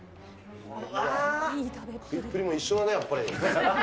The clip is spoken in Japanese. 食いっぷりも一緒だね、やっぱり。